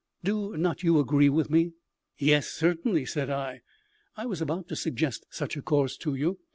Do not you agree with me?" "Yes, certainly," said I. "I was about to suggest such a course to you.